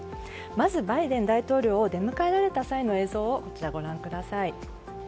まずバイデン大統領を出迎えられた際の映像をご覧ください。